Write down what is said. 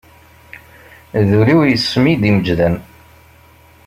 D ul-iw yes-m i d-imeǧǧden.